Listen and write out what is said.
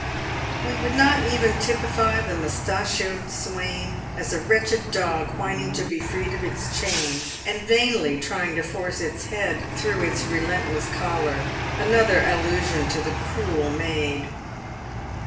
We would not even typify the moustachoed swain as a wretched dog whining to be free of its chain, and vainly trying to force its head through its relentless collar — another allusion to the cruel maid.